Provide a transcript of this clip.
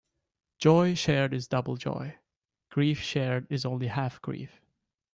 Joy shared is double joy; grief shared is only half grief.